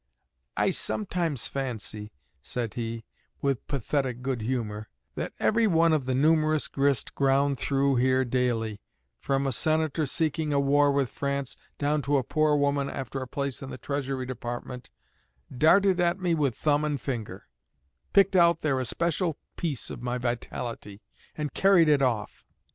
"I sometimes fancy," said he, with pathetic good humor, "that every one of the numerous grist ground through here daily, from a Senator seeking a war with France down to a poor woman after a place in the Treasury Department, darted at me with thumb and finger, picked out their especial piece of my vitality, and carried it off.